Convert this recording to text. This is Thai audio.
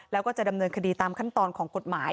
แล้วก็จะดำเนินคดีตามขั้นตอนของกฎหมาย